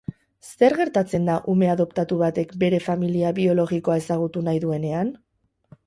Zer gertatzen da ume adoptatu batek bere familia biologikoa ezagutu nahi duenean?